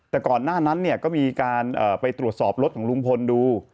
แต่ก่อนหน้านั้นเนี่ยก็มีการไปตรวจสอบรถของลุงพลดู